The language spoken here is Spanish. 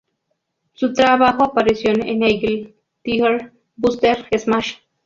Su trabajo apareció en "Eagle", "Tiger", "Buster", "Smash!